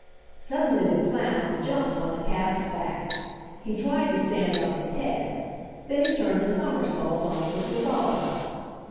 Suddenly the clown jumped on the calf's back. He tried to stand on his head. Then he turned a somersault on to the sawdust.